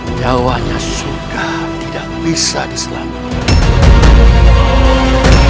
nyawanya suka tidak bisa diselamatkan